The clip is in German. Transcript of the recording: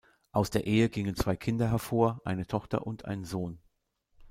Aus der Ehe gingen zwei Kinder hervor, eine Tochter und ein Sohn.